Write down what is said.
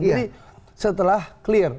jadi setelah clear